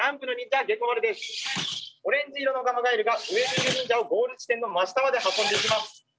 オレンジ色のガマガエルが上にのる忍者をゴール地点の真下まで運んでいきます。